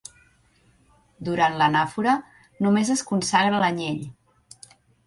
Durant l'Anàfora, només es consagra l'Anyell.